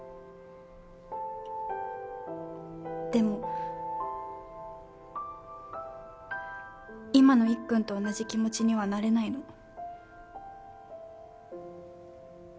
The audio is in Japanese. でも今のいっくんと同じ気持ちにはなれないの。